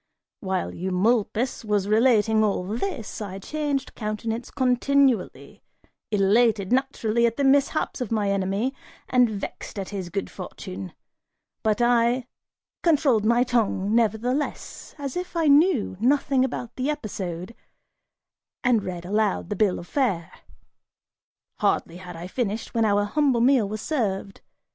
While Eumolpus was relating all this, I changed countenance continually, elated, naturally, at the mishaps of my enemy, and vexed at his good fortune; but I controlled my tongue nevertheless, as if I knew nothing about the episode, and read aloud the bill of fare. (Hardly had I finished, when our humble meal was served.